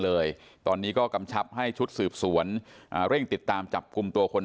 เลยตอนนี้ก็กำชับให้ชุดสืบสวนเร่งติดตามจับกลุ่มตัวคน